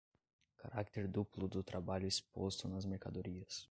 Carácter duplo do trabalho exposto nas mercadorias